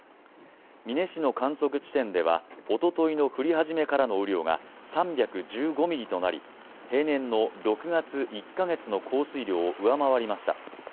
美祢市の観測地点ではおとといの降り始めからの雨量が３１５ミリとなり、平年の６月１か月の降水量を上回りました。